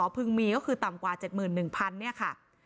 พึงมีก็คือต่ำกว่า๗๑๐๐เนี่ยค่ะ